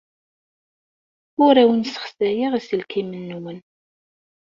Ur awen-ssexsayeɣ iselkimen-nwen.